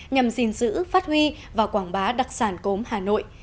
nhằm gìn giữ phát huy và quảng bá đặc sản cốm hà nội